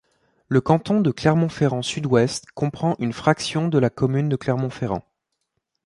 Le canton de Clermont-Ferrand-Sud-Ouest comprend une fraction de la commune de Clermont-Ferrand.